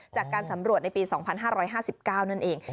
จากการสำรวจในปี๒๕๕๙นั่นเอง